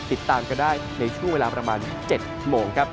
ติดตามกันได้ในช่วงเวลาประมาณ๗โมงครับ